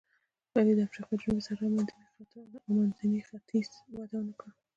ولې د افریقا جنوبي صحرا او منځني ختیځ وده ونه کړه.